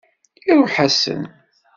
Iṛuḥ-asen.